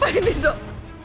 dok kenapa ini dok